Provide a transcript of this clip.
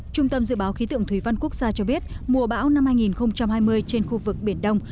trung tâm dự báo khí tượng thủy văn quốc gia cho biết mùa bão năm hai nghìn hai mươi trên khu vực biển đông